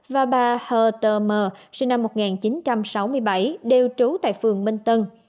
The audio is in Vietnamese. và bà hờ t m sinh năm một nghìn chín trăm sáu mươi bảy đều trú tại phường minh tân